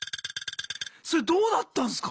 それどうなったんすか？